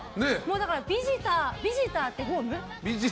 だからビジターとホーム？